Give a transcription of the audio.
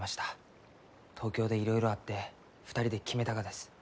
東京でいろいろあって２人で決めたがです。